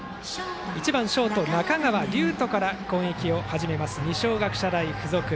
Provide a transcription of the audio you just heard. １番ショート、中川龍斗から攻撃を始めます二松学舎大付属。